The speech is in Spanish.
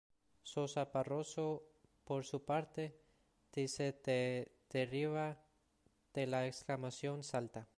Sosa Barroso, por su parte, dice de deriva de la exclamación "¡salta!